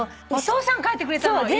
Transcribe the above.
お父さん書いてくれたの？